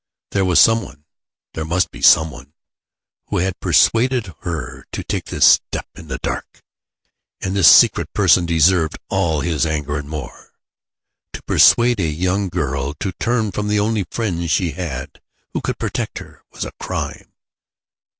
There was some one there must be some one who had persuaded her to take this step in the dark, and this secret person deserved all his anger and more. To persuade a young girl to turn from the only friends she had who could protect her, was a crime.